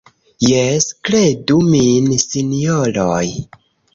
Jes, kredu min, sinjoroj.